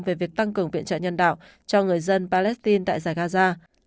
về việc tăng cường viện trợ nhân đạo cho người dân palestine tại giải gaza